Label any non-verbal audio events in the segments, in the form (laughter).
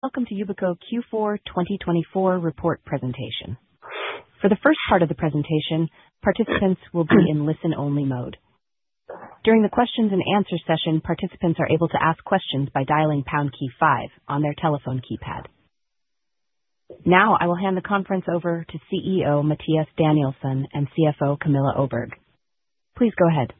Welcome to Yubico Q4 2024 Report Presentation. For the first part of the presentation, participants will be in listen-only mode. During the question and answer session, participants are able to ask questions by dialing pound key five on their telephone keypad. Now I will hand the conference over to CEO Mattias Danielsson and CFO Camilla Öberg. Please go ahead.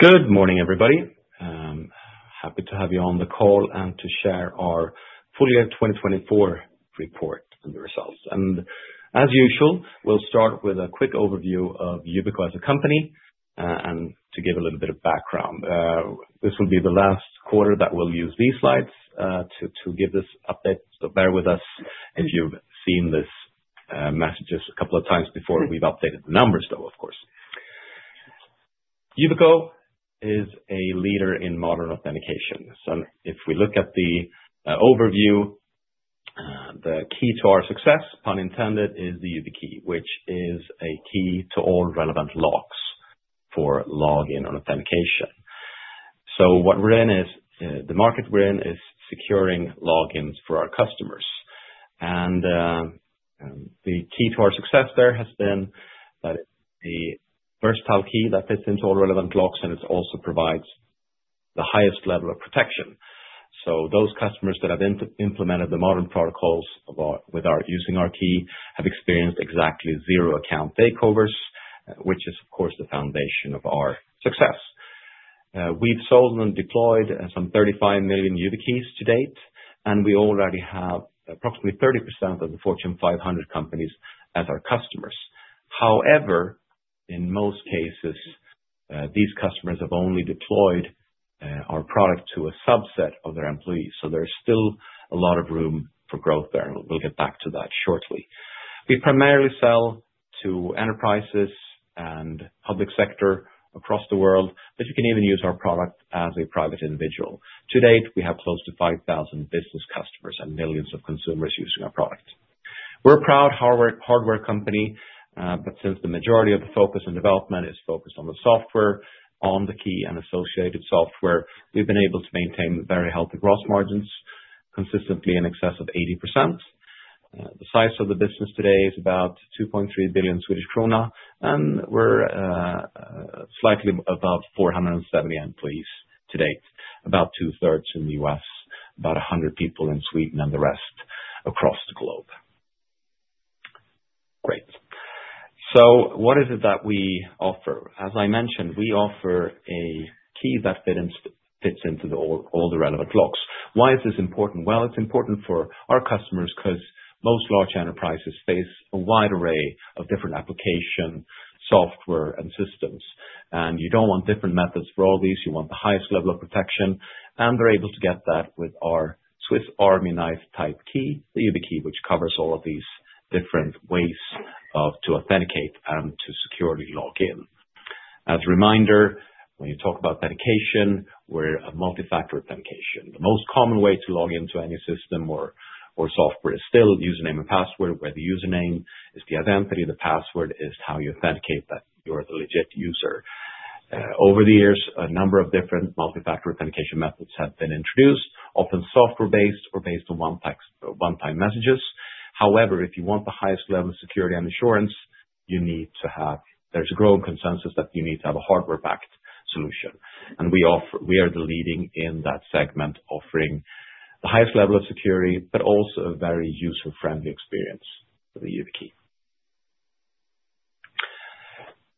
Good morning everybody. Happy to have you on the call and to share our full year 2024 report and the results, and as usual, we'll start with a quick overview of Yubico as a company. And to give a little bit of background, this will be the last quarter that we'll use these slides to give this update, so bear with us, and you've seen this message a couple of times before. We've updated the numbers though, of course. Yubico is a leader in modern authentication. If we look at the overview, the key to our success, pun intended, is the YubiKey, which is a key to all relevant locks for login and authentication. The market we're in is securing logins for our customers. The key to our success there has been that it's the versatile key that fits into all relevant locks and it also provides the highest level of protection. Those customers that have implemented the modern protocols using our key have experienced exactly zero account takeovers, which is of course the foundation of our success. We've sold and deployed some 35 million YubiKeys to date, and we already have approximately 30% of the Fortune 500 companies as our customers. However, in most cases, these customers have only deployed our product to a subset of their employees. So there's still a lot of room for growth there. We'll get back to that shortly. We primarily sell to enterprises and public sector across the world, but you can even use our product as a private individual. To date, we have close to 5,000 business customers and millions of consumers using our product. We're a proud hardware company, but since the majority of the focus on development is focused on the software, on the key and associated software, we've been able to maintain very healthy gross margins, consistently in excess of 80%. The size of the business today is about 2.3 billion Swedish krona and we're slightly above 470 employees to date. About 2/3 in the U.S., about 100 people in Sweden and the rest across the globe. Great. So what is it that we offer? As I mentioned, we offer a key that fits into all the relevant blocks. Why is this important? Well, it's important for our customers because most large enterprises face a wide array of different application software and systems. And you don't want different methods for all these. You want the highest level of protection and they're able to get that with our Swiss Army knife type key, the YubiKey which covers all of these different ways to authenticate and to securely log in. As a reminder, when you talk about authentication, we're a multi-factor authentication. The most common way to log into any system or software is still username and password, where the username is the identity, the password is how you authenticate that you're the legit user. Over the years, a number of different multi-factor authentication methods have been introduced, often software-based or based on one-time messages. However, if you want the highest level of security and assurance you need to have, there's a growing consensus that you need to have a hardware-backed solution, and we are the leaders in that segment, offering the highest level of security, but also a very user-friendly experience for the YubiKey.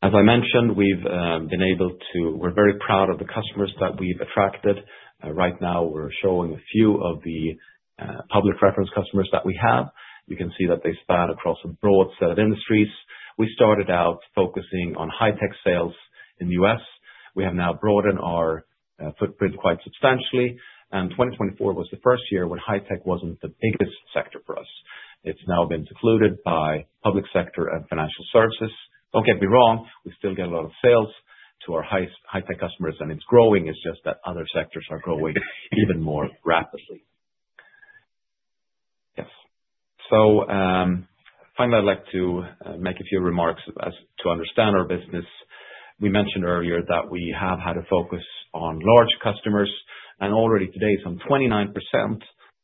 As I mentioned, we've been able to. We're very proud of the customers that we've attracted. Right now we're showing a few of the public reference customers that we have. You can see that they span across a broad set of industries. We started out focusing on high tech sales in the U.S. We have now broadened our footprint quite substantially. 2024 was the first year when high tech wasn't the biggest sector for us. It's now been superseded by public sector and financial services. Don't get me wrong, we still get a lot of sales to our high tech customers and it's growing. It's just that other sectors are growing even more rapidly. Yes. So, finally, I'd like to make a few remarks as to understand our business. We mentioned earlier that we have had a focus on large customers and already today some 29%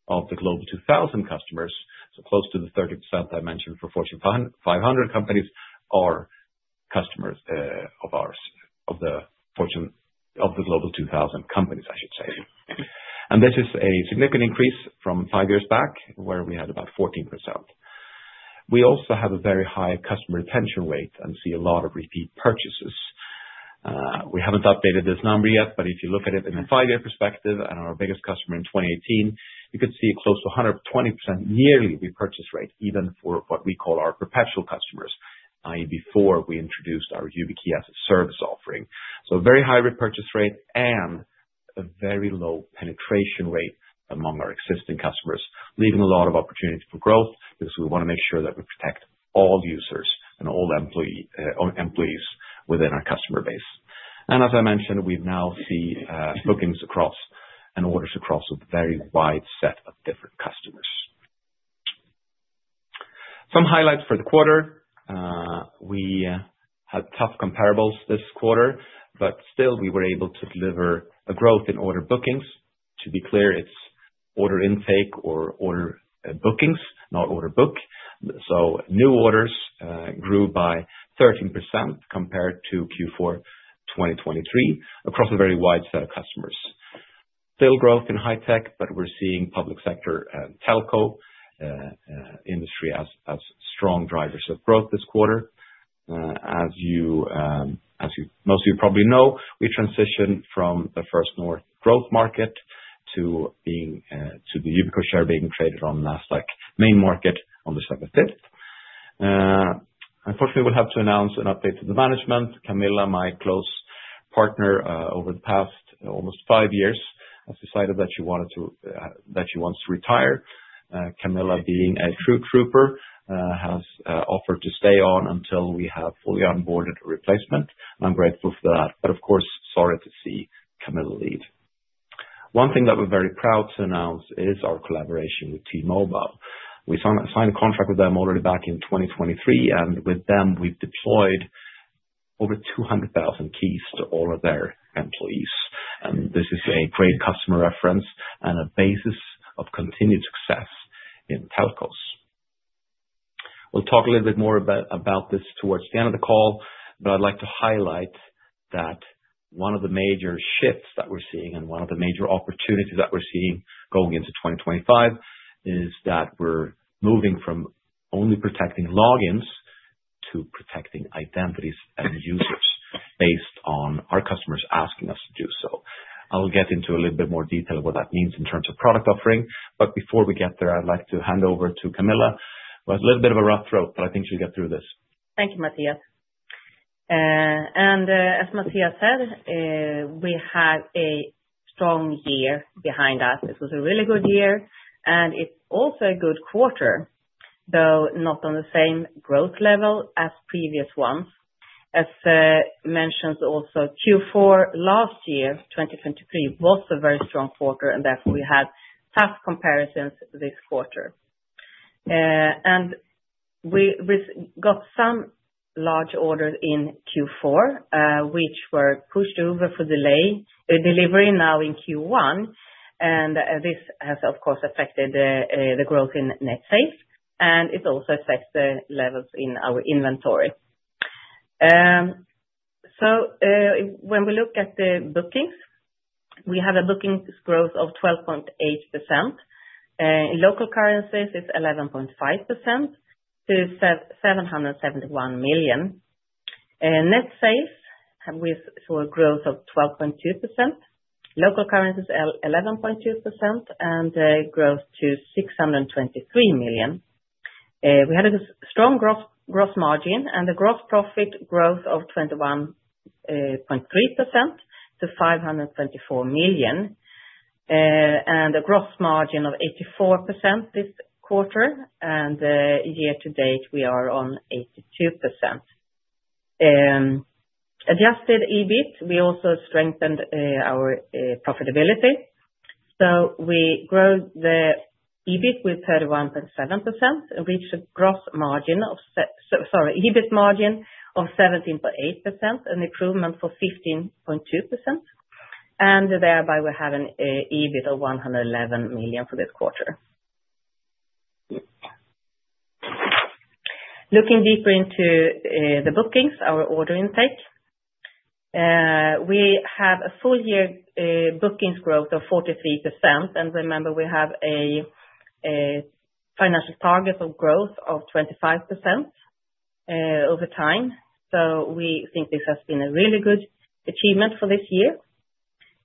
of the Global 2000 customers, so close to the 30% I mentioned for Fortune 500 companies, are customers of ours. Of the Fortune, of the Global 2000 companies, I should say. This is a significant increase from five years back where we had about 14%. We also have a very high customer retention rate and see a lot of repeat purchases. We haven't updated this number yet, but if you look at it in a five-year perspective and our biggest customer in 2018, you could see close to 120% nearly repurchase rate even for what we call our perpetual customers. That is before we introduced our YubiKey as a Service offering. So very high repurchase rate and a very low penetration rate among our existing customers, leaving a lot of opportunity for growth because we want to make sure that we protect all users and all employees within our customer base. And as I mentioned, we now see bookings across and orders across a very wide set of different customers. Some highlights for the quarter, we had tough comparables this quarter, but still we were able to deliver a growth in order bookings. To be clear, it's order intake or order bookings, not order book. So new orders grew by 13% compared to Q4 2023 across a very wide set of customers. Still growth in high tech, but we're seeing public sector, telco industry as strong drivers of growth this quarter. As most of you probably know, we transitioned from the First North Growth Market to the Yubico share being traded on Nasdaq Main Market on the 15th. Unfortunately, we'll have to announce an update to the management. Camilla, my close partner over the past almost five years, has decided that she wants to retire. Camilla, being a trooper, has offered to stay on until we have fully onboarded a replacement. I'm grateful for that, but of course, sorry to see Camilla leave. One thing that we're very proud to announce is our collaboration with T-Mobile. We signed a contract with them already back in 2023, and with them, we've deployed over 200,000 keys to all of their employees, and this is a great customer reference and a basis of continued success in telcos. We'll talk a little bit more about this towards the end of the call, but I'd like to highlight that one of the major shifts that we're seeing and one of the major opportunities that we're seeing going into 2025 is that we're moving from only protecting logins to protecting identities and users based on our customers asking us to do so. I'll get a little bit more detail what that means in terms of product offering, but before we get there, I'd like to hand over to Camilla, who has a little bit of a rough throat, but I think she'll get through this. Thank you, Mattias. As Mattias said, we had a strong year behind us. This was a really good year and it's also a good quarter, though not on the same growth level as previous ones. As mentioned, also Q4 last year, 2023 was a very strong quarter and therefore we have tough comparisons this quarter. We got some large orders in Q4 which were pushed over for delayed delivery now in Q1. This has of course affected the growth in net sales and it also affects the levels in our inventory. When we look at the bookings, we have a bookings growth of 12.8%. In local currencies, it's 11.5% to 771 million. In net sales, we saw a growth of 12.2%, local currencies 11.2% and growth to 623 million. We had a strong gross margin and a gross profit growth of 21.3% to 524 million and a gross margin of 84%. This quarter and year to date we are on 82%. Adjusted EBIT, we also strengthened our profitability. So we grew the EBIT by 31.7%, reached an EBIT margin of 17.8% and improvement of 15.2%. Thereby we have an EBIT of 111 million for this quarter. Looking deeper into the bookings, our order intake, we have a full year bookings growth of 43% and remember we have a financial target of growth of 25% over time. So we think this has been a really good achievement for this year.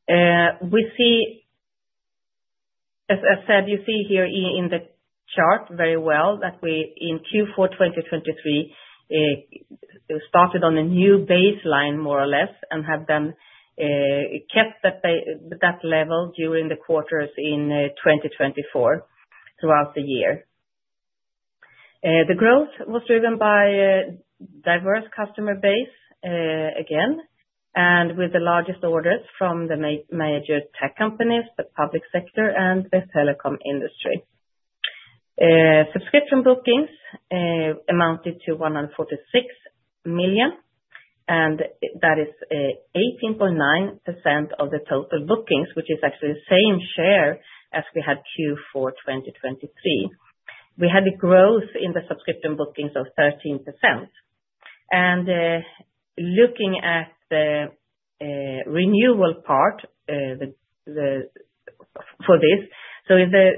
We see, as I said, you see here in the chart very well that we, in Q4 2023, started on a new baseline, more or less, and have then kept that level during the quarters in 2024. Throughout the year. The growth was driven by diverse customer base again and with the largest orders from the major tech companies, the public sector and the telecom industry. Subscription bookings amounted to 146 million and that is 18.9% of the total bookings, which is actually the same share as we had Q4 2023. We had a growth in the subscription bookings of 13%. And looking at the renewal part, for this, so in the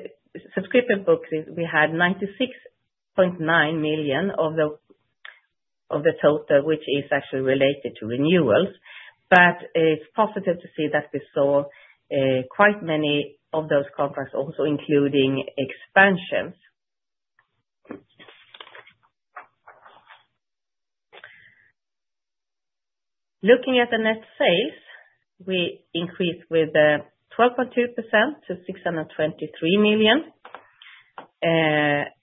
subscription bookings we had 96.9 million of the total, which is actually related to renewals. But it's positive to see that we saw quite many of those contracts also including expansions. Looking at the net sales, we increase with 12.2% to SEK 623 million.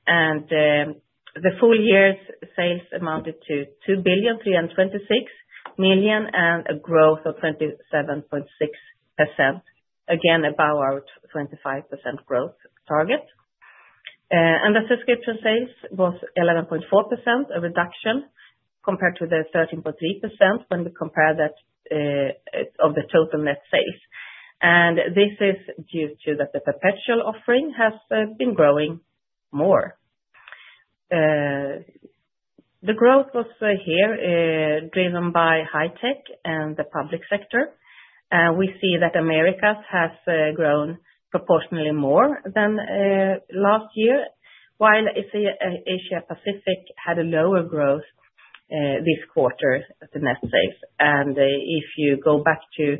The full year's sales amounted to 2,326,000,000 and a growth of 27.6%, again above our 25% growth target. And the subscription sales was 11.4%, a reduction compared to the 13.3%, when we compare that of the total net sales and this is due to that the perpetual offering has been growing more. The growth was here driven by high tech and the public sector. We see that Americas has grown proportionally more than last year, while Asia Pacific had a lower growth this quarter, the net sales and if you go back to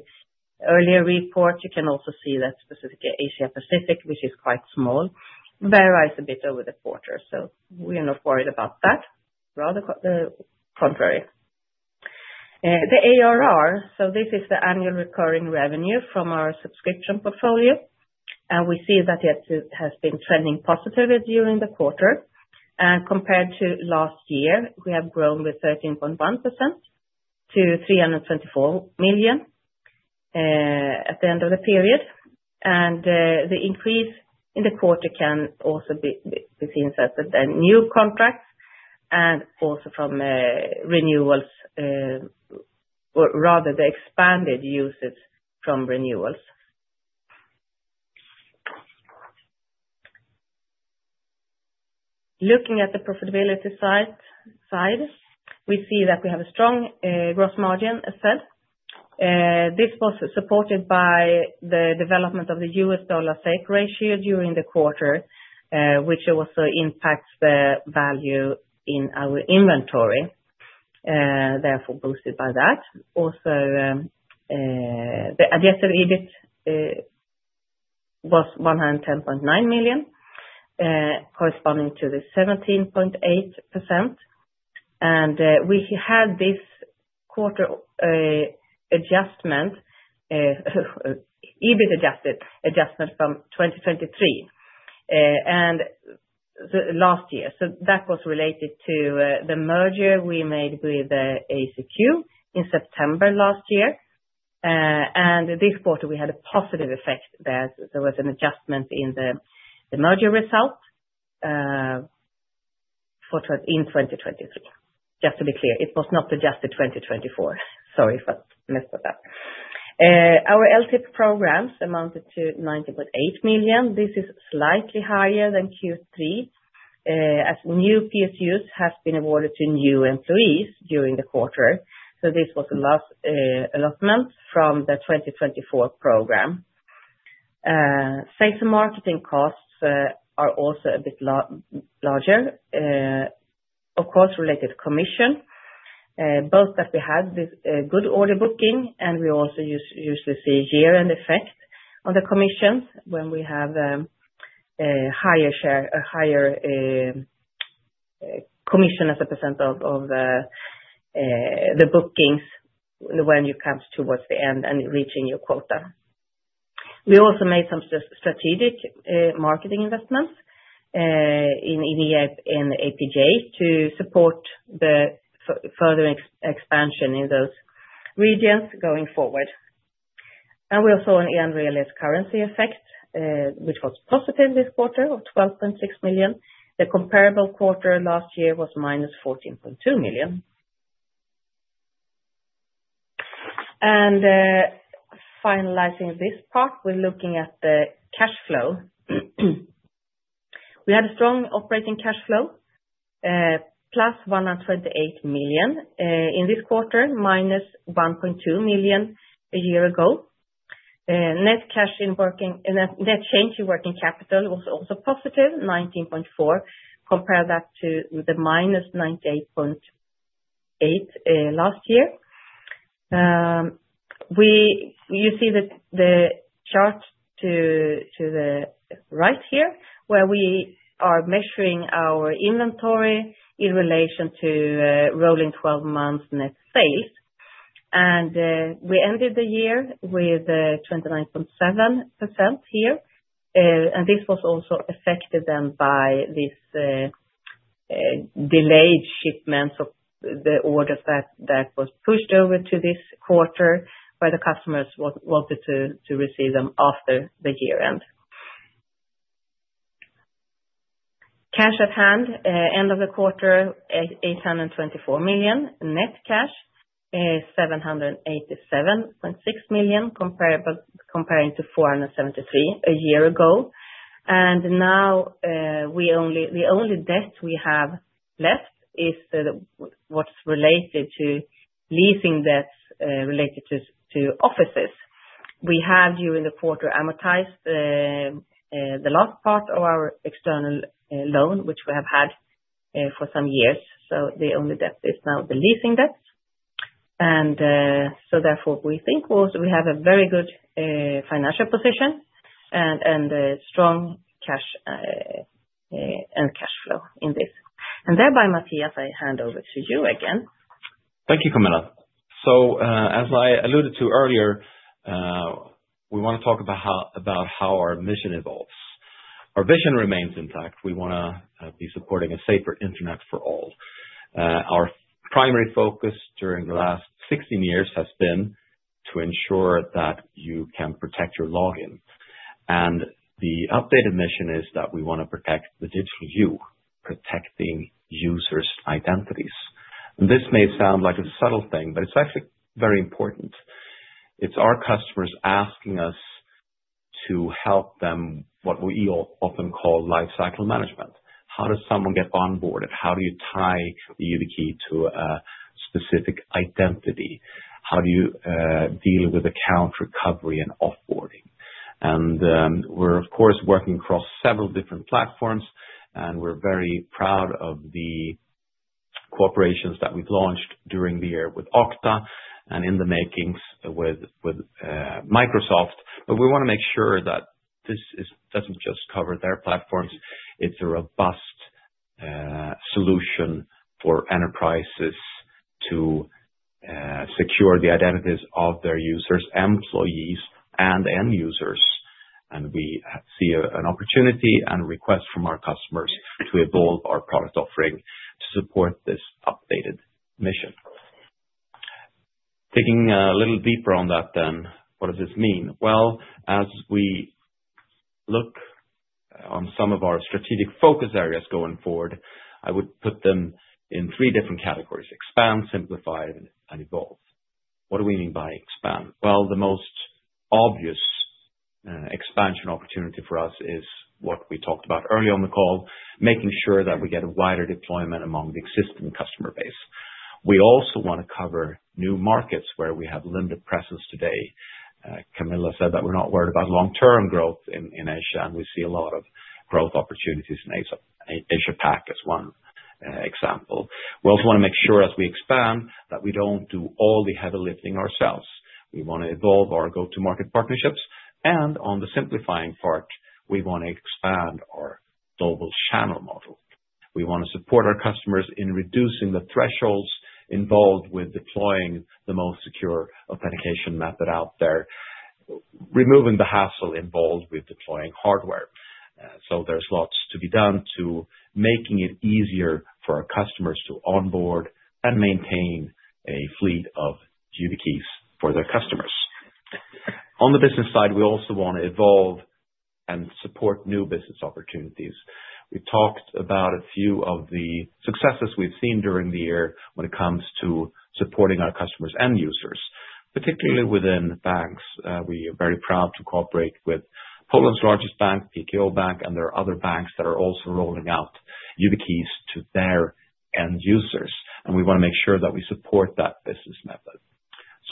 earlier report, you can also see that specifically Asia Pacific which is quite small, varies a bit over the quarter. So we are not worried about that. Rather the contrary. The ARR. So this is the annual recurring revenue from our subscription portfolio and we see that it has been trending positively during the quarter compared to last year. We have grown with 13.1% to 324 million at the end of the period, and the increase in the quarter can also be new contracts and also from renewals or rather the expanded usage from renewals. Looking at the profitability side, we see that we have a strong gross margin. As said, this was supported by the development of the U.S. dollar strength ratio during the quarter which also impacts the value in our inventory, therefore boosted by that. Also, the Adjusted EBIT was 110.9 million corresponding to the 17.8%. And we had this quarter adjustment, EBIT adjusted adjustment from 2023 and last year. So that was related to the merger we made with ACQ in September last year. And this quarter we had a positive effect. There was an adjustment in the merger result in 2023. Just to be clear, it was not adjusted 2024. Sorry if I messed it up. Our LTIP programs amounted to 19.8 million. This is slightly higher than Q3 as new PSUs has been awarded to new employees during the quarter. So this was the last allotment from the 2024 program. Sales and marketing costs are also a bit larger, of course, related to commission. Both that we had good order booking and we also used to see year-end effect on the commissions when we have higher commission as a percent of the bookings when you come towards the end and reaching your quota. We also made some strategic marketing investments in APJ to support the further expansion in those regions going forward, and we also had an unrealized currency effect which was positive this quarter of 12.6 million. The comparable quarter last year was -14.2 million. Finalizing this part, we're looking at the cash flow. We had a strong operating cash flow, +128 million in this quarter, -1.2 million a year ago. Net cash in working capital was also +19.4 million. Compare that to the -98.8 million last year. You see the chart to the right here where we are measuring our inventory in relation to rolling 12 months net sales. And we ended the year with 29.7% here. And this was also affected then by this delayed shipments of the orders. That was pushed over to this quarter where the customers wanted to receive them after the year end. Cash at hand end of the quarter 824 million. Net cash is 787.6 million comparing to 473 million a year ago. Now the only debt we have left is what's related to leasing debts related to offices. We have during the quarter amortized the last part of our external loan which we have had for some years. The only debt is now the leasing debt. Therefore we think we have a very good financial position and strong cash and cash flow in this and thereby Mattias, I hand over to you again. Thank you, Camilla. As I alluded to earlier, we want to talk about how our mission evolves. Our vision remains intact. We want to be supporting a safer internet for all. Our primary focus during the last 16 years has been to ensure that you can protect your login, and the updated mission is that we want to protect the digital you, protecting users' identities. This may sound like a subtle thing, but it's actually very important. It's our customers asking us to help them what we often call lifecycle management. How does someone get onboarded? How do you tie the YubiKey to a specific identity? How do you deal with account recovery and off boarding? We're of course working across several different platforms, and we're very proud of the cooperations that we've launched during the year with Okta and in the making with Microsoft. But we want to make sure that this doesn't just cover their platforms. It's a robust solution for enterprises to secure the identities of their users, employees and end users. And we see an opportunity and request from our customers to evolve our product offering to support this updated mission. Digging a little deeper on that then, what does this mean? Well, as we look on some of our strategic focus areas going forward, I would put them in three different categories. Expand, simplify, and evolve. What do we mean by expand? Well, the most obvious expansion opportunity for us is what we talked about earlier on the call. Making sure that we get a wider deployment among the existing customer base. We also want to cover new markets where we have limited presence. Today, Camilla said that we're not worried about long-term growth in Asia and we see a lot of growth opportunities in Asia-Pac as one example. We also want to make sure as we expand that we don't do all the heavy lifting ourselves. We want to evolve our go-to-market partnerships. And on the same simplifying part, we want to expand our global channel model. We want to support our customers in reducing the thresholds involved with deploying the most secure authentication method out there, removing the hassle involved with deploying hardware. So there's lots to be done to making it easier for our customers to onboard and maintain a fleet of YubiKeys for their customers. On the business side, we also want to evolve and support new business opportunities. We talked about a few of the successes we've seen during the year when it comes to supporting our customers and users, particularly within banks. We are very proud to cooperate with Poland's largest bank, PKO Bank, and there are other banks that are also rolling out YubiKeys to their end users and we want to make sure that we support that business method.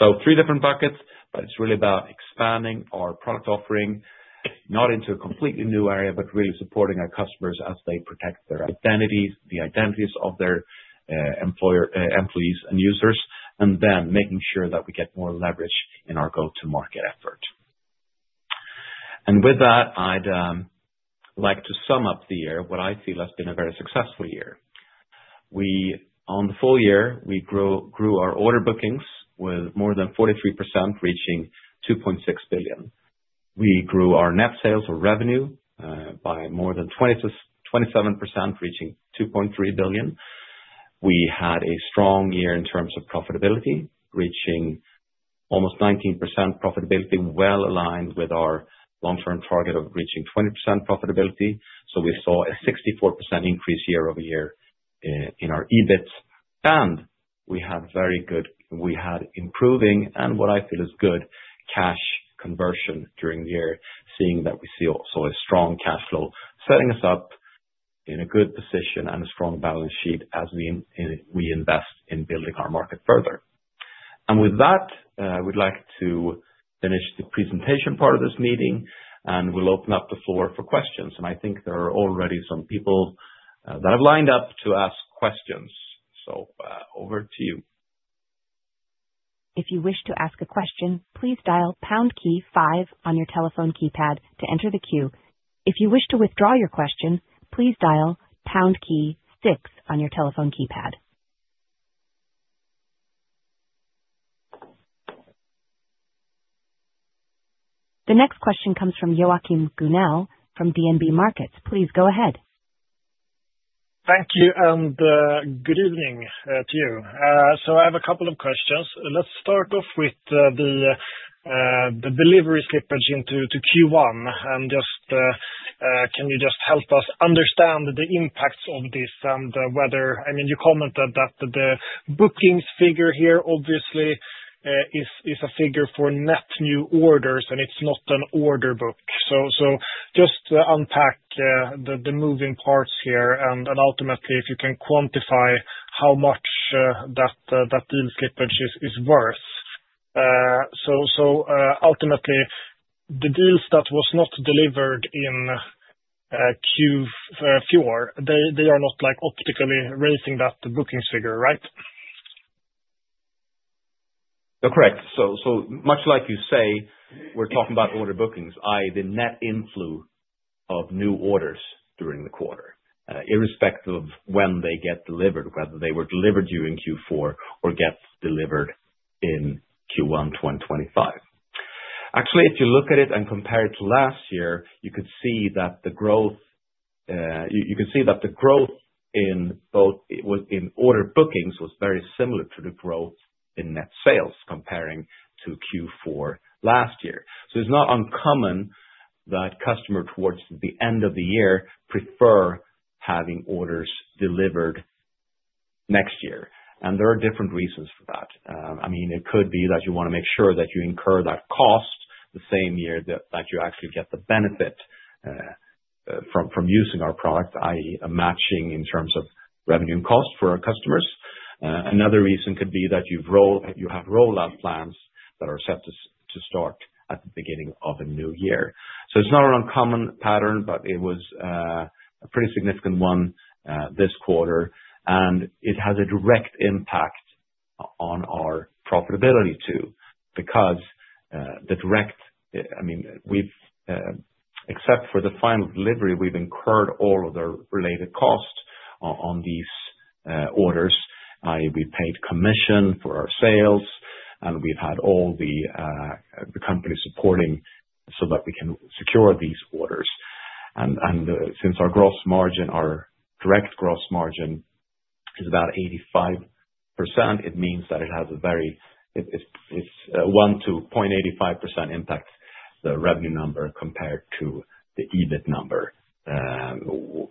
So three different buckets. But it's really about expanding our product offering not into a completely new area, but really supporting our customers as they protect their identities, the identities of their employees and users and then making sure that we get more leverage in our go-to market effort. With that, I'd like to sum up the year, what I feel has been a very successful year. On the full year we grew our order bookings with more than 43% reaching 2.6 billion. We grew our net sales or revenue by more than 27% reaching 2.3 billion. We had a strong year in terms of profitability, reaching almost 19% profitability, well aligned with our long-term target of reaching 20% profitability. We saw a 64% increase year-over-year in our EBIT and we had improving and what I feel is good cash conversion during the year. Seeing that we see also a strong cash flow setting us up in a good position and a strong balance sheet as we invest in building our market further. With that I would like to finish the presentation part of this meeting and we'll open up the floor for questions. I think there are already some people that have lined up to ask questions. Over to you. If you wish to ask a question, please dial pound key five on your telephone keypad to enter the queue. If you wish to withdraw your question, please dial pound key six on your telephone keypad. The next question comes from Joachim Gunell from DNB Markets. Please go ahead. Thank you and good evening to you. So I have a couple of questions. Let's start off with the delivery slippage into Q1 and just can you just help us understand the impacts of this and whether, I mean you commented that the bookings figure here obviously is a figure for net new orders and it's not an order book. So just unpack the moving parts here. And ultimately if you can quantify how much that deal slippage is worth. So ultimately the deals that was not delivered in Q4, they are not like optically raising that bookings figure, right? Correct. So much like you say, we're talking about order bookings, that is the net inflow of new orders during the quarter irrespective of when they get delivered, whether they were delivered during Q4 or get delivered in Q1 2025. Actually, if you look at it and compare it to last year, you could see that the growth, you can see that the growth in order bookings was very similar to the growth in net sales comparing to Q4. So it's not uncommon that customers towards the end of the year prefer having orders delivered next year. And there are different reasons for that. I mean it could be that you want to make sure that you incur that cost the same year that you actually get the benefit from using our product that is a matching in terms of revenue and cost for our customers. Another reason could be that you have rollout plans that are set to start at the beginning of a new year. So it's not an uncommon pattern, but it was a pretty significant one this quarter. And it has a direct impact on our profitability too because the direct, I mean we've, except for the final delivery, we've incurred all of the related cost on these orders. We paid commission for our sales and we've had all the company supporting so that we can secure these orders. And since our gross margin, our direct gross margin is about 85%, it means that it has a very, it's 1%-0.85% impact, the revenue number compared to the EBIT number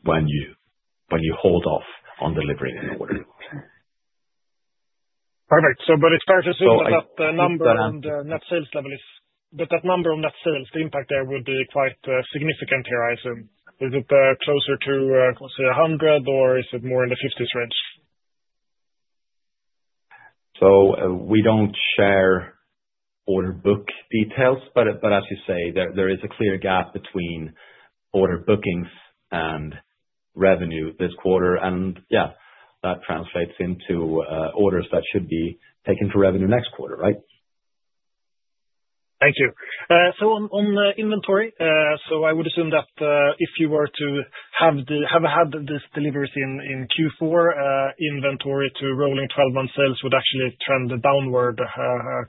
when you hold off on delivering an order flow. Perfect. So but it's fair to assume that the number and net sales level is that number of net sales, the impact there would be quite significant here, I assume? Is it closer to say 100 or is it more in the 50s range? So we don't share order book details. But as you say, there is a clear gap between order bookings and revenue this quarter. And yeah, that translates into orders that should be taken for revenue next quarter, right? Thank you. So on inventory. So I would assume that if you were to have had these deliveries in Q4, inventory to rolling 12-month sales would actually trend downward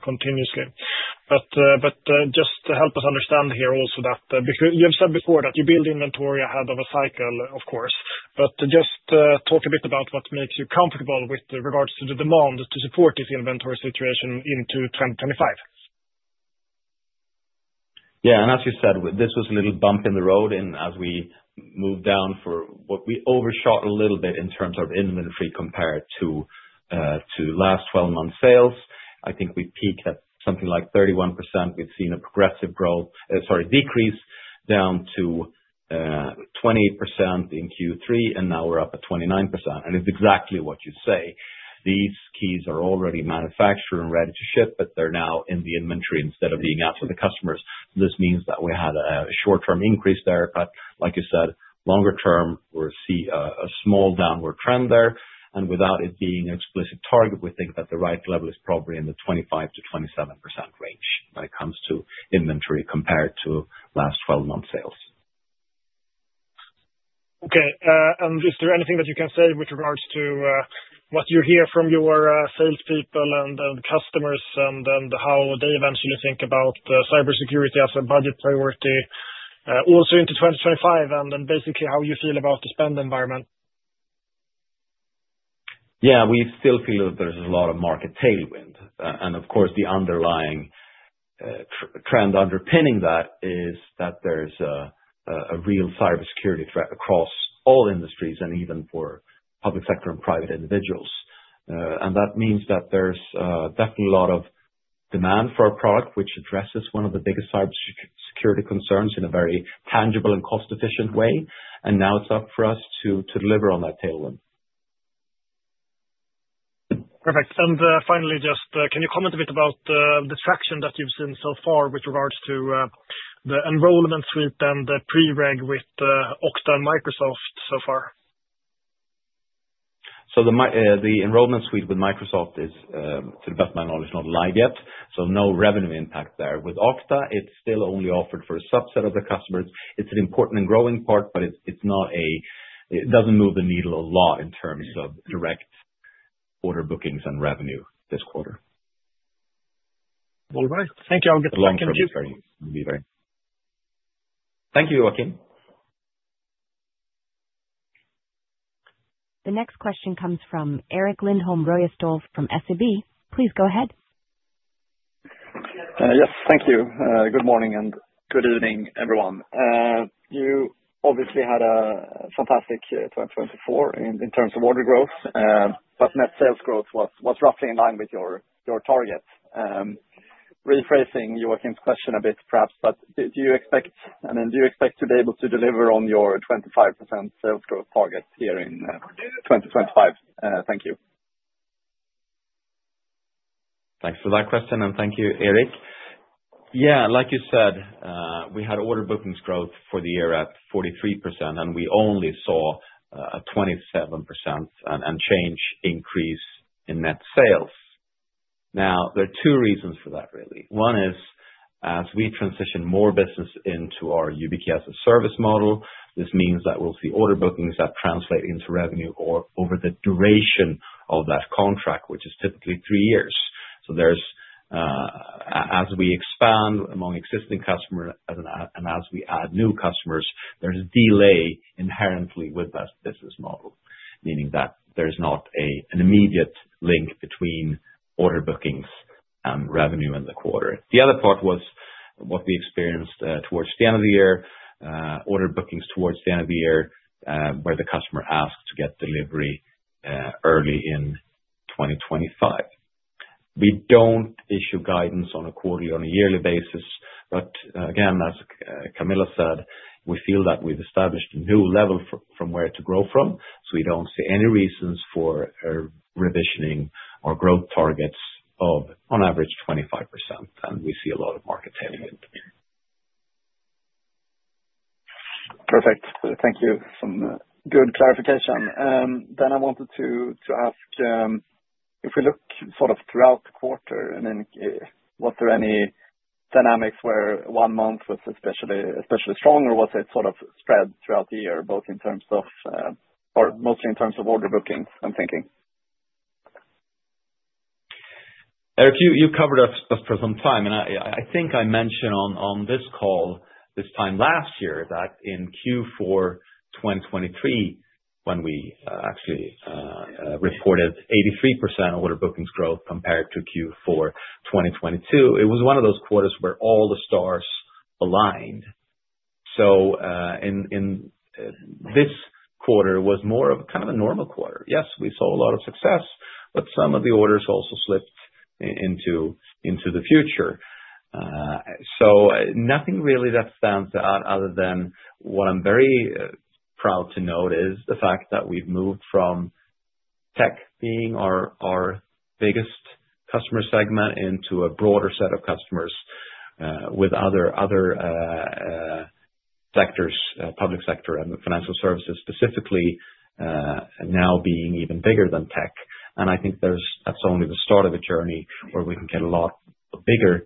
continuously. But just to help us understand here, also that you have said before that you build inventory ahead of a cycle. Of course, but just talk a bit about what makes you comfortable with regards to the demand to support this inventory situation into 2025. Yeah. And as you said, this was a little bump in the road. And as we moved down for what we overshot a little bit in terms of inventory compared to last 12 months sales, I think we peaked at something like 31%. We've seen a progressive growth, sorry, decrease down to 28% in Q3, and now we're up at 29%. And it's exactly what you say. These keys are already manufactured and ready to ship, but they're now in the inventory instead of being out to the customers. This means that we had a short-term increase there, but like you said, longer term we see a small downward trend there. And without it being an explicit target, we think that the right level is probably in the 25%-27% range when it comes to inventory compared to last 12 months sales. Okay. And is there anything that you can say with regards to what you hear from your salespeople and customers and how they eventually think about cybersecurity as a budget priority also into 2025 and then basically how you feel about the spend environment? Yeah, we still feel that there's a lot of market tailwind, and of course the underlying trend underpinning that is that there's a real cybersecurity threat across all industries and even for public sector and private individuals. And that means that there's definitely a lot of demand for our product, which addresses one of the biggest cybersecurity concerns in a very tangible and cost-efficient way. And now it's up for us to deliver on that tailwind. Perfect. And finally, just can you comment a bit about the traction that you've seen so far with regards to the Enrollment Suite and the Pre-reg with Okta and Microsoft so far? So the Enrollment Suite with Microsoft is, to the best of my knowledge, not live yet. So no revenue impact there. With Okta, it's still only offered for a subset of the customers. It's an important and growing part, but it's not a, it doesn't move the needle a lot in terms of direct order bookings and revenue this quarter. All right, thank you. I'll get back to the queue. Thank you, Joachim. The next question comes from Erik Lindholm-Röjestål from SEB. Please go ahead. Yes, thank you. Good morning and good evening everyone. You obviously had a fantastic 2024 in terms of order growth, but net sales growth was roughly in line with your target. Rephrasing Joachim's question a bit, perhaps, but do you expect to be able to deliver on your 25% sales growth target here in 2025? Thank you. Thanks for that question and thank you, Erik. Yes, like you said, we had order bookings growth for the year at 43% and we only saw a 27% and change increase in net sales. Now there are two reasons for that really. One is as we transition more business into our YubiKey as a Service model, this means that we'll see order bookings that translate into revenue over the duration of that contract, which is typically three years. As we expand among existing customers and as we add new customers, there's delay inherently with that business model, meaning that there's not an immediate link between order bookings and revenue in the quarter. The other part was what we experienced towards the end of the year. Order bookings towards the end of the year where the customer asked to get delivery early in 2025. We don't issue guidance on a quarterly or on a yearly basis. But again, as Camilla said, we feel that we've established a new level from where to grow from. So we don't see any reasons for revising our growth targets of on average 25% and we see a lot of market tailwinds. Perfect, thank you. Thanks for good clarification. Then I wanted to ask if we look sort of throughout the quarter and then was there any dynamics where one month was especially strong or was it sort of spread throughout the year both in terms of, or mostly in terms of order bookings? I'm thinking. Erik, you covered us for some time and I think I mentioned on this call this time last year that in Q4 2023, when we actually reported 83% order bookings growth compared to Q4 2022, it was one of those quarters where all the stars aligned. So this quarter was more of kind of a normal quarter. Yes, we saw a lot of success, but some of the orders also slipped into the future. So nothing really that stands out other than what I'm very proud to note is the fact that we've moved from tech being our biggest customer segment into a broader set of customers with other sectors, public sector and financial services specifically, now being even bigger than tech, and I think that's only the start of a journey where we can get a lot bigger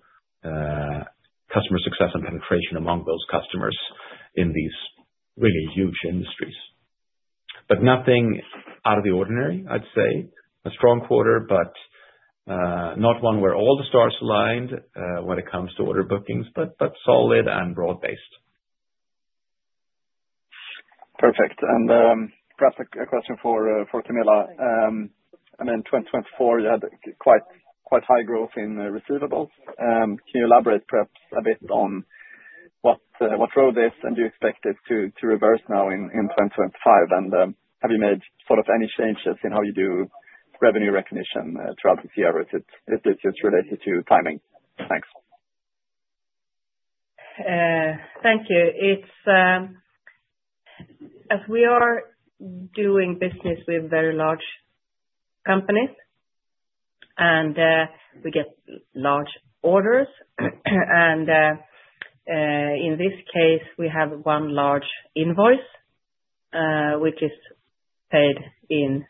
customer success and penetration among those customers in these really huge industries, but nothing out of the ordinary. I'd say a strong quarter, but not one where all the stars aligned when it comes to order bookings, but solid and broad-based. Perfect. And perhaps a question for Camilla. I mean, 2024, you had quite a high growth in receivables. Can you elaborate perhaps a bit on what drove this? And do you expect it to reverse now in 2025? And have you made sort of any changes in how you do revenue recognition throughout this year? Is this related to timing? Thanks. Thank you. As we are doing business with very large companies and we get large orders and in this case we have one large invoice which is paid in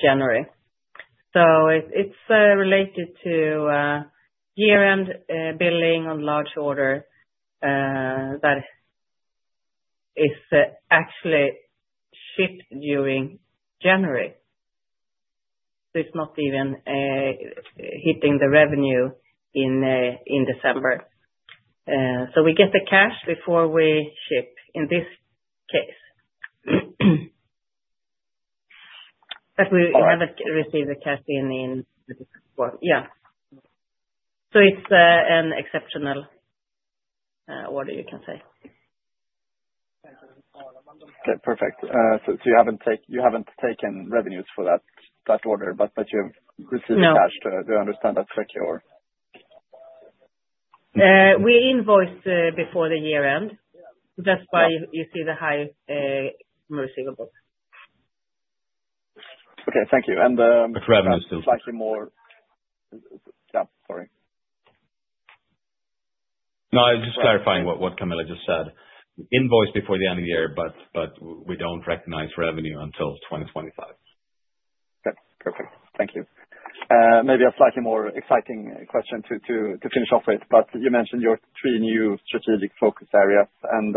January. So it's related to year end billing on large order that is actually shipped during January. So it's not even hitting the revenue in December. So we get the cash before we ship in this case. But we haven't received the cash in. Yeah, so it's an exceptional cash order, you can say. Okay, perfect. So you haven't taken revenues for that order, but you've received cash. Do I understand that correctly or? We invoiced before the year end. That's why you see the high receivables. Okay, thank you. (crosstalk) Slightly more. Sorry. No, I was just clarifying what Camilla just said. Invoice before the end of the year, but we don't recognize revenue until 2025. Perfect. Thank you. Maybe a slightly more exciting question to finish off with, but you mentioned your three new strategic focus areas and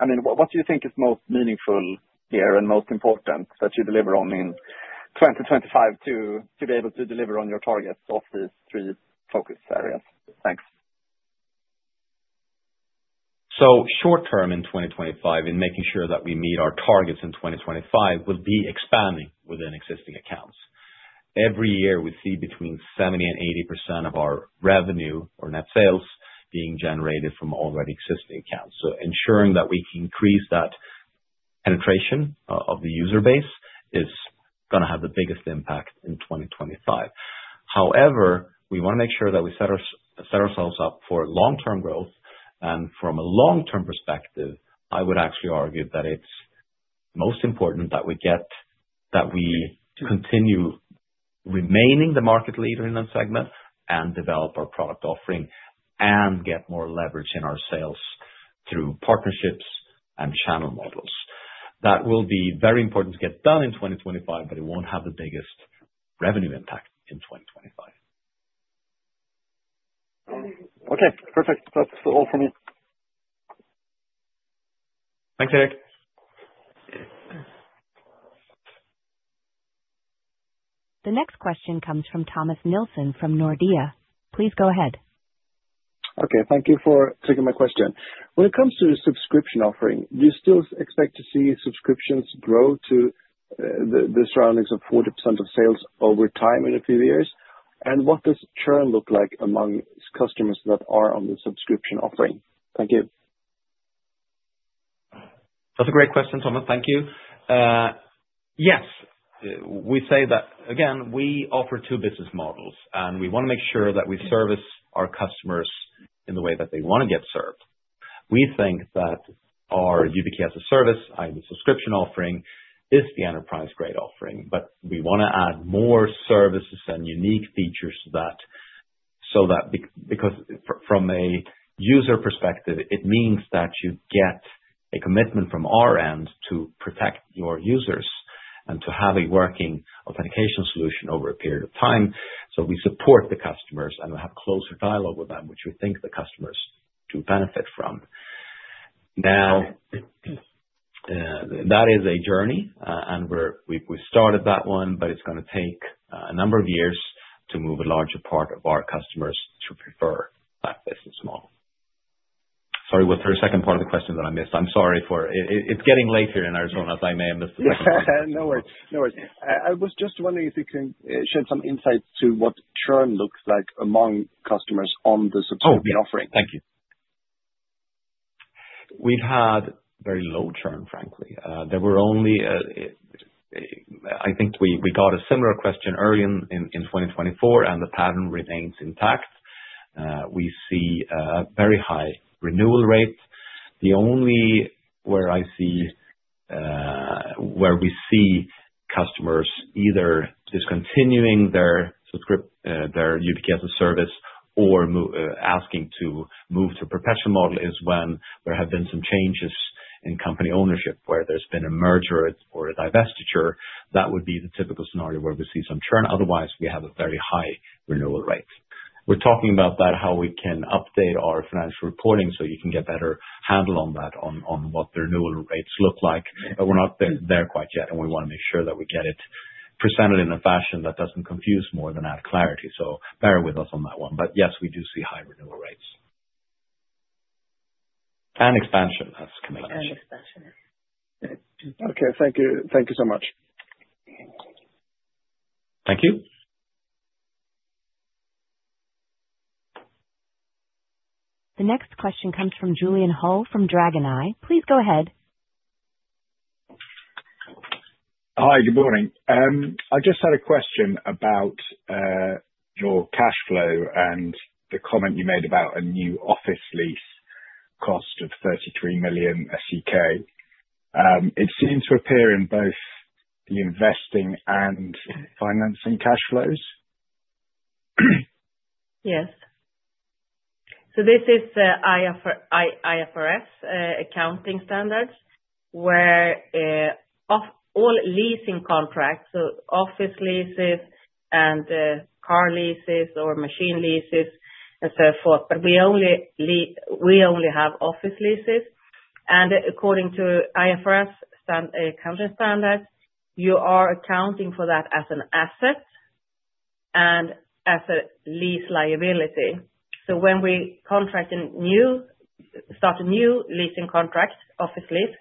I mean, what do you think is most meaningful here and most important that you deliver on in 2025 to be able to deliver on your targets of these three focus areas? Thanks. So, short-term in 2025, in making sure that we meet our targets in 2025 will be expanding within existing accounts. Every year we see between 70% and 80% of our revenue or net sales being generated from already existing accounts. So ensuring that we can increase that penetration of the user base is going to have the biggest impact in 2025. However, we want to make sure that we set ourselves up for long-term growth. And from a long-term perspective, I would actually argue that it's most important that we get that we continue remaining the market leader in that segment and develop our product offering and get more leverage in our sales through partnerships and channel models. That will be very important to get done in 2025, but it won't have the biggest revenue impact in 2025. Okay, perfect. That's all for me. Thanks, Erik. The next question comes from Thomas Nilsson from Nordea. Please go ahead. Okay, thank you for taking my question. When it comes to the subscription offering, do you still expect to see subscriptions grow to the surroundings of 40% of sales over time in a few years? What does churn look like among customers that are on the subscription offering? Thank you. That's a great question, Thomas. Thank you. Yes, we say that again. We offer two business models and we want to make sure that we service our customers in the way that they want to get served. We think that our YubiKey as a Service subscription offering is the enterprise grade offering. But we want to add more services and unique features. Because from a user perspective it means that you get a commitment from our end to protect your users and to have a working authentication solution over a period of time. So we support the customers and we have closer dialogue with them which we think the customers to benefit from. Now, that is a journey, and we started that one, but it's going to take a number of years to move a larger part of our customers to prefer that business model. Sorry, what's the second part of the question that I missed? I'm sorry? It's getting late here in Arizona, so I may have missed the question. I was just wondering if you can share some insights to what churn looks like among customers on the subscription offering? Thank you. We've had very low churn. Frankly, there were only, I think we got a similar question earlier in 2024 and the pattern remains intact. We see very high renewal rate. The only where I see, where we see customers either discontinuing their YubiKey as a Service or asking to move to perpetual model is when there have been some changes in company ownership, where there's been a merger or a divestiture. That would be the typical scenario where we see some churn. Otherwise we have a very high renewal rate. We're talking about how we can update our financial reporting so you can get a better handle on that, on what the renewal rates look like. We're not there quite yet and we want to make sure that we get it presented in a fashion that doesn't confuse more than add clarity. So bear with us on that one. But yes, we do see high renewal rates. And expansion as Camilla mentioned. Okay, thank you. Thank you so much. Thank you. The next question comes from Julian Hull from Dragoneye. Please go ahead. Hi, good morning. I just had a question about your cash flow and the comment you made about a new office lease cost of 33 million SEK. It seemed to appear in both the investing and financing cash flows? Yes. So this is IFRS Accounting Standards where all leasing contracts, so office leases and car leases or machine leases and so forth. But we only have office leases and according to IFRS Accounting Standards, you are accounting for that as an asset and as a lease liability. So when we contract a new start, a new leasing contract, office lease,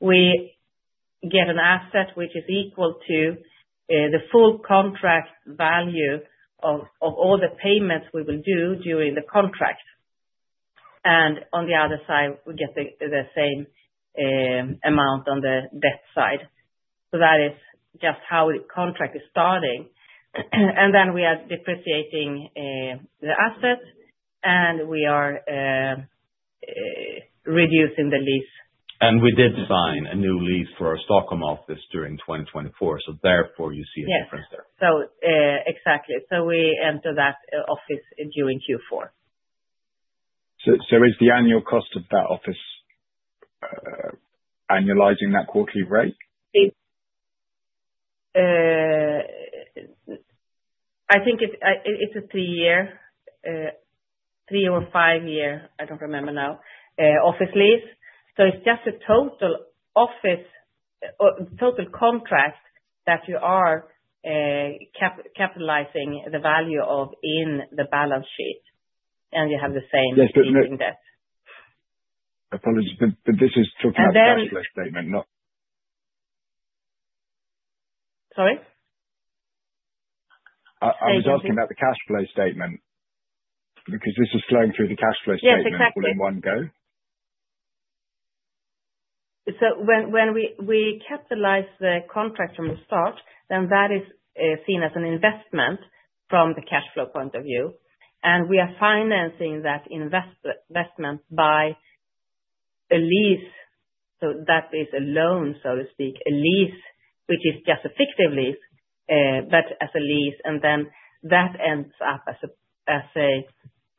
we get an asset which is equal to the full contract value of all the payments we will do during the contract. And on the other side, we get the same amount on the debt side. So that is just how the contract is starting. And then we are depreciating the assets and we are reducing the lease. And we did sign a new lease for our Stockholm office during 2024. So therefore you see a difference there. Exactly. So we enter that office during Q4. So is the annual cost of that office annualizing that quarterly rate? I think it's a three-year, three- or five-year office lease. So it's just a total office, total contract that you are capitalizing the value of in the balance sheet and you have the same debt. Apologies, but this is the cash flow statement, not? Sorry? I was asking about the cash flow statement. Because this is flowing through the cash flow statement in one go? So when we capitalize the contract from the start, then that is seen as an investment from the cash flow point of view. And we are financing that investment by a lease. So that is a loan, so to speak, a lease, which is just a fictive lease, but as a lease. And then that ends up as a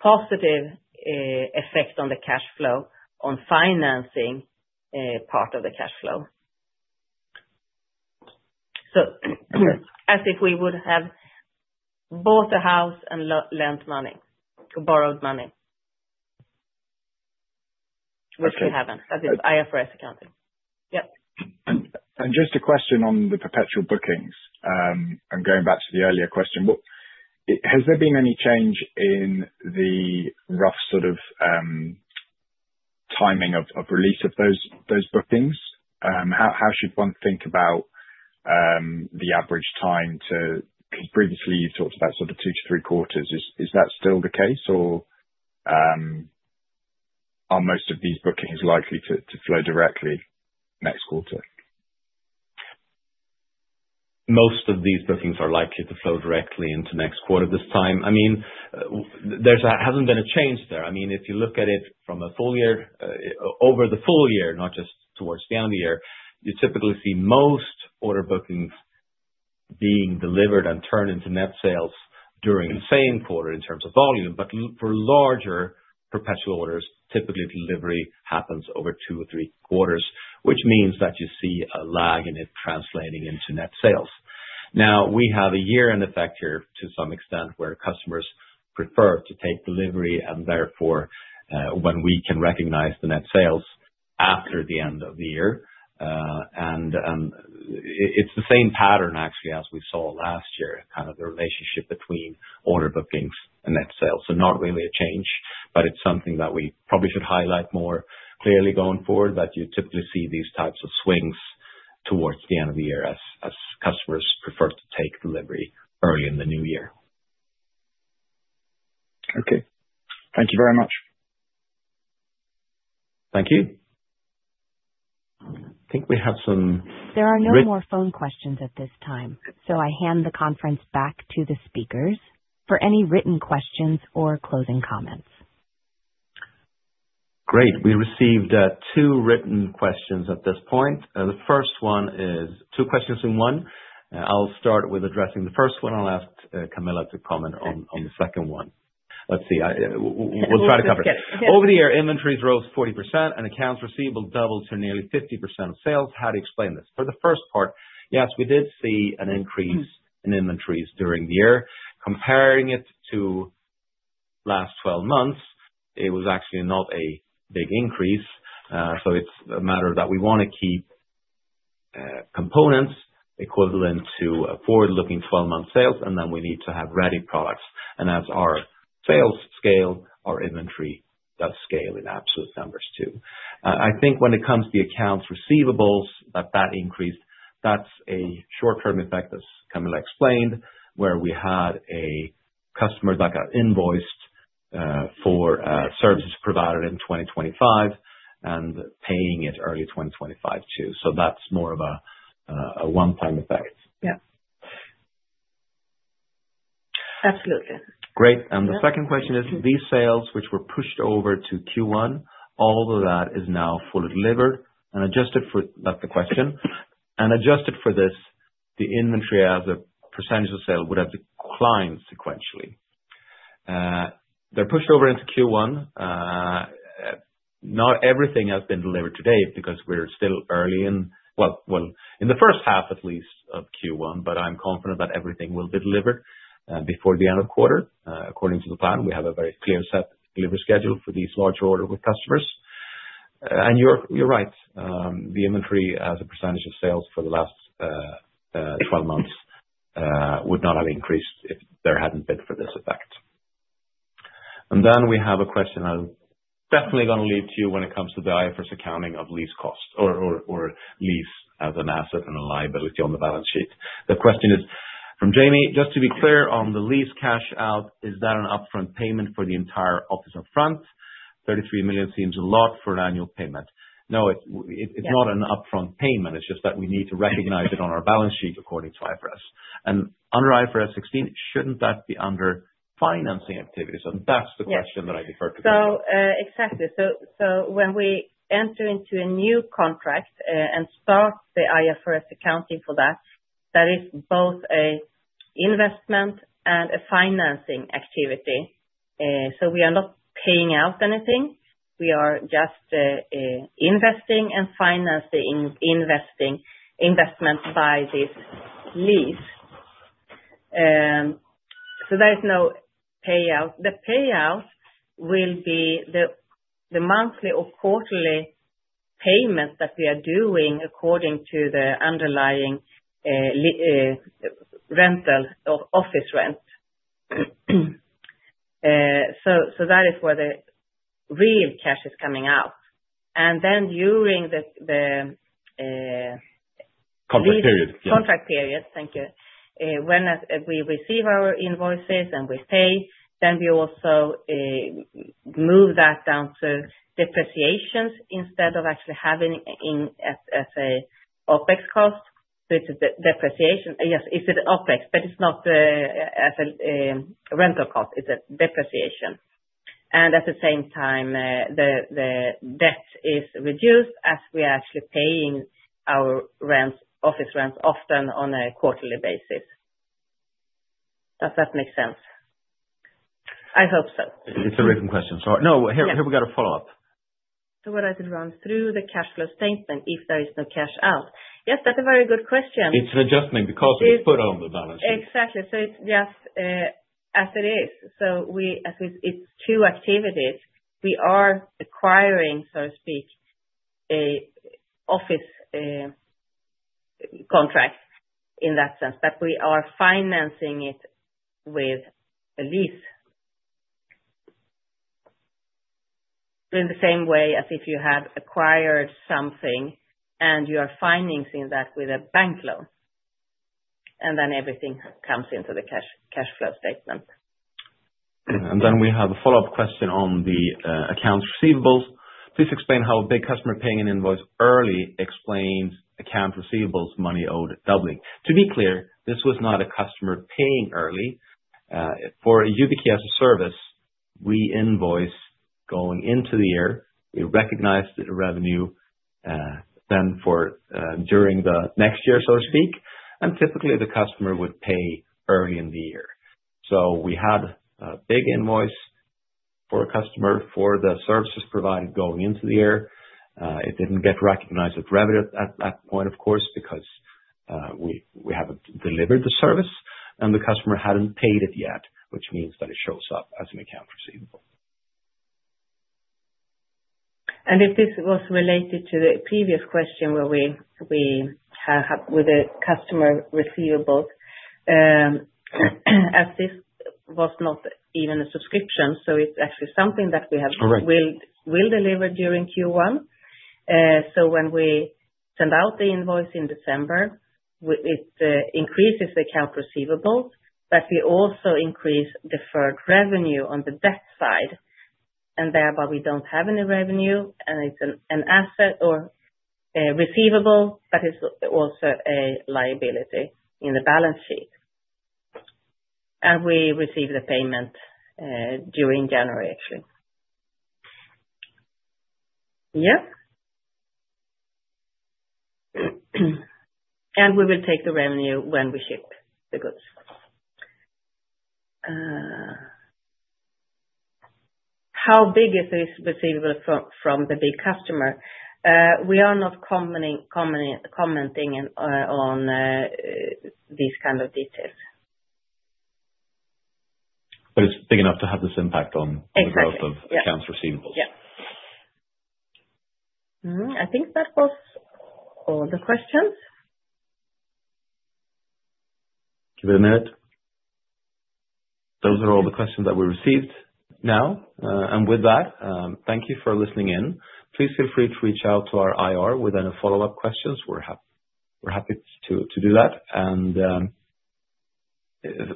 positive effect on the cash flow, on financing part of the cash flow. So, as if we would have bought a house and lent money to borrowed money. Which we haven't. That is IFRS accounting. Yep. And just a question on the perpetual bookings and going back to the earlier question. Has there been any change in the rough sort of timing of release of those bookings? How should one think about the average time to, previously you talked about sort of two to three quarters, is that still the case or are most of these bookings likely to flow directly next quarter? Most of these bookings are likely to flow directly into next quarter this time. I mean, there hasn't been a change there. I mean, if you look at it from a full year over the full year, not just towards the end of the year, you typically see most order bookings being delivered and turned into net sales during the same quarter in terms of volume. But for larger perpetual orders, typically delivery happens over two or three quarters, which means that you see a lag in it translating into net sales. Now we have a year in effect here to some extent where customers prefer to take delivery and therefore when we can recognize the net sales after the end of the year and it's the same pattern actually as we saw last year. Kind of the relationship between order bookings and net sales. So not really a change, but it's something that we probably should highlight more clearly going forward that you typically see these types of swings towards the end of the year as customers prefer to take delivery early in the new year. Okay, thank you very much. Thank you. I think we have some. There are no more phone questions at this time, so I hand the conference back to the speakers for any written questions or closing comments. Great. We received two written questions at this point. The first one is two questions in one. I'll start with addressing the first one. I'll ask Camilla to comment on the second one. Let's see, we'll try to cover it. Over the year, inventories rose 40% and accounts receivable doubled to nearly 50% of sales. How do you explain this for the first part? Yes, we did see an increase in inventories during the year. Comparing it to last 12 months, it was actually not a big increase. So it's a matter that we want to keep. Components equivalent to forward looking 12 month sales. We need to have ready products. As our sales scale, our inventory does scale in absolute numbers too. I think when it comes to the accounts receivables that increased, that's a short term effect. As Camilla explained, we had a customer that got invoiced for services provided in 2025 and paying it early 2025 too. That's more of a one time effect. Absolutely. Great. The second question is these sales which were pushed over to Q1, all of that is now fully delivered and adjusted for. That's the question. Adjusted for this, the inventory as a percentage of sale would have declined sequentially. They're pushed over into Q1. Not everything has been delivered today because we're still early in, in the first half at least of Q1. I'm confident that everything will be delivered before the end of quarter according to the plan. We have a very clear set delivery schedule for these larger order with customers. You're right, the inventory as a percentage of sales for the last 12 months would not have increased if there hadn't been for this effect. We have a question I'm definitely going to leave to you. When it comes to the IFRS accounting of lease cost or lease as an asset and a liability on the balance sheet, the question is from Jamie, just to be clear, on the lease cash out, is that an upfront payment for the entire office upfront? 33 million seems a lot for an annual payment. No, it's not an upfront payment. It's just that we need to recognize it on our balance sheet according to IFRS and under IFRS, shouldn't that be under financing activities? That's the question that I defer to. Exactly. When we enter into a new contract and start the IFRS accounting for that, that is both an investment and a financing activity. We are not paying out anything, we are just investing and financing investments by this. There is no payout. The payout will be the monthly or quarterly payments that we are doing according to the underlying rental or office rent. That is where the real cash is coming out. And then during the contract period. Thank you. When we receive our invoices and we pay, then we also move that down to depreciations instead of actually having as an OpEx cost depreciation. Yes. Is it OpEx? But it's not as a rental cost, it's a depreciation. At the same time the debt is reduced as we are actually paying our rents, office rents, often on a quarterly basis. Does that make sense? I hope so. It's a written question. No. Here we got a follow up. What does it run through the cash flow statement if there is no cash out? Yes, that's a very good question. It's an adjustment because we put on the balance sheet. Exactly. It is just as it is. It is two activities. We are acquiring, so to speak, office contract in that sense. We are financing it with a lease. In the same way as if you had acquired something and you are financing that with a bank loan. Everything comes into the cash flow statement. We have a follow up question on the accounts receivables. Please explain how a big customer paying an invoice early explains account receivables. Money owed doubling. To be clear, this was not a customer paying early for YubiKey as a Service. We invoice going into the year. We recognize the revenue then during the next year, so to speak. Typically the customer would pay early in the year. We had a big invoice for a customer for the services provided going into the year. It did not get recognized as revenue at that point, of course, because we have not delivered the service and the customer had not paid it yet, which means that it shows up as an account receivable. If this was related to the previous question where we have with the customer receivable. As this was not even a subscription. It's actually something that we have will deliver during Q1. When we send out the invoice in December, it increases the account receivables, but we also increase deferred revenue on the debt side and thereby we don't have any revenue and it's an asset or receivable, but it's also a liability in the balance sheet. We receive the payment during January actually. Yeah. We will take the revenue when we ship the goods. How big is this receivable from the big customer? We are not commenting on these kind of details. It's big enough to have this impact on the growth of accounts receivables. I think that was all the questions. Give it a minute. Those are all the questions that we received now. With that, thank you for listening in. Please feel free to reach out to our IR with any follow-up questions. We're happy to do that.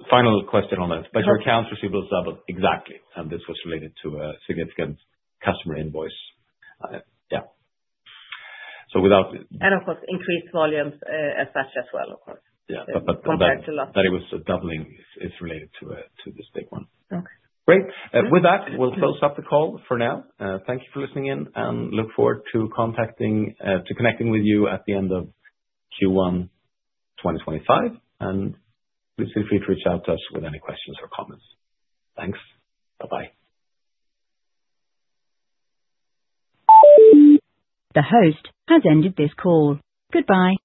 Final question on your account receivables doubled. Exactly. This was related to a significant customer invoice. Of course increased volumes as such as well of course. That. (crosstalk) It was doubling is related to this big one. Great. With that we'll close up the call for now. Thank you for listening in and look forward to connecting with you at the end of Q1 2025. Please feel free to reach out to us with any questions or comments. Thanks. Bye bye. The host has ended this call. Goodbye.